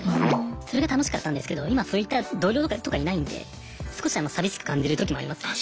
それが楽しかったんですけど今そういった同僚とかいないんで少し寂しく感じる時もありますね。